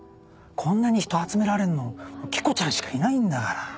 こんなに人集められるの着子ちゃんしかいないんだから。